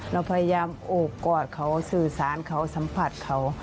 เราพยายามโอบกอดเขาสื่อสารเขาสัมผัสเขา